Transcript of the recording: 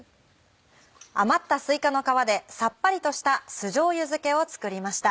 余ったすいかの皮でさっぱりとした酢じょうゆ漬けを作りました。